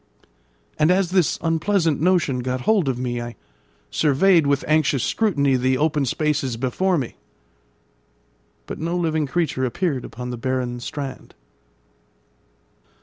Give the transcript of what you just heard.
And as this unpleasant notion got hold of me, I surveyed with anxious scrutiny the open spaces before me; but no living creature appeared upon the barren strand.